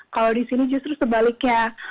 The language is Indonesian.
kalau di sini justru sebaliknya